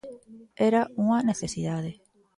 Era unha necesidade.